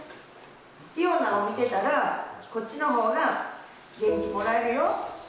理央奈を見てたら、こっちのほうが元気もらえるよ。